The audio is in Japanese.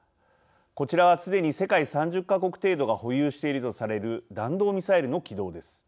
こちらはすでに世界３０か国程度が保有しているとされる弾道ミサイルの軌道です。